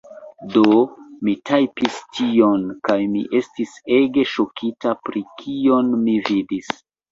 Do, mi tajpis tion... kaj mi estis ege ŝokita pri kion mi vidis